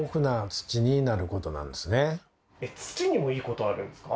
土にもいいことあるんですか？